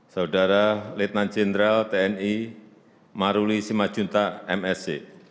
saudara lieutenant general tni maruli simanjuntak msc